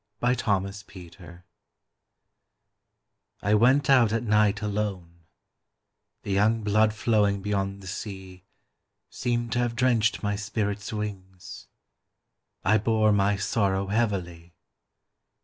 Winter Stars I went out at night alone; The young blood flowing beyond the sea Seemed to have drenched my spirit's wings I bore my sorrow heavily.